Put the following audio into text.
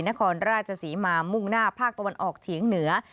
นครราชศรีมามุ่งหน้าภาคตะวันออกเฉียงเหนือ